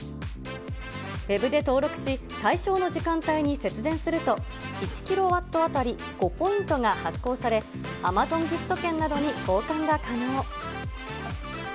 ウェブで登録し、対象の時間帯に節電すると、１キロワット当たり５ポイントが発行され、アマゾンギフト券などに交換が可能。